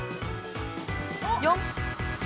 ４。